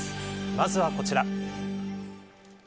まずは、こちら。